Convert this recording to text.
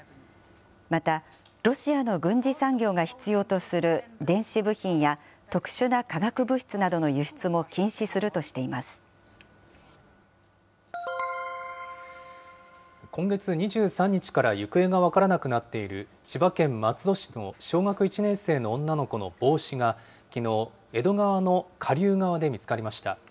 また、ロシアの軍事産業が必要とする電子部品や特殊な化学物質などの輸今月２３日から行方が分からなくなっている、千葉県松戸市の小学１年生の女の子の帽子が、きのう、江戸川の下流側で見つかりました。